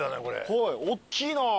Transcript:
はいおっきいなお店。